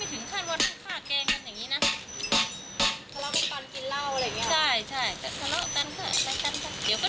อยู่ตรงใต้สะพานตรงไหนนี่ใช่ไหมคะ